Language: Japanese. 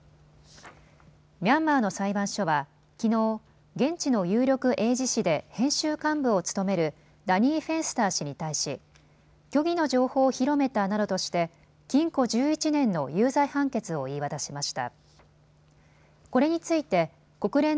ミャンマーの裁判所はきのう、現地の有力英字誌で編集幹部を務めるダニー・フェンスター氏に対し虚偽の情報を広めたなどとして禁錮１１年の有罪判決を言い渡しました。